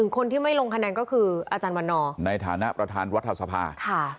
คนที่ไม่ลงคะแนนก็คืออาจารย์วันนอร์ในฐานะประธานรัฐสภา